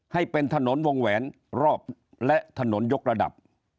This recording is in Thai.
ให้เป็นถนนวงแหวนรอบและถนนยกระดับ